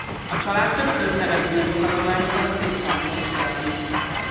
A család többször szerez birtokadományokat az évszázadok során.